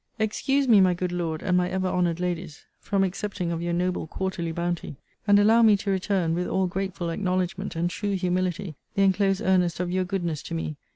Excuse me, my good Lord, and my ever honoured Ladies, from accepting of your noble quarterly bounty; and allow me to return, with all grateful acknowledgement, and true humility, the enclosed earnest of your goodness to me.